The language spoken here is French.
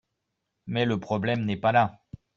Mais le problème n’est pas là.